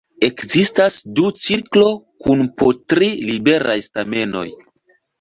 Ekzistas du cirklo kun po tri liberaj stamenoj.